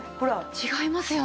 違いますよね。